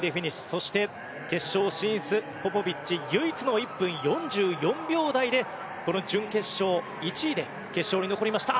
そして決勝進出、ポポビッチ唯一の１分４４秒台でこの準決勝１位で決勝に残りました。